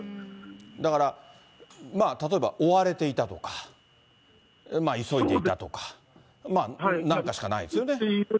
だから、まあ例えば追われていたとか、急いでいたとか、まあ、なんかしかないですよね。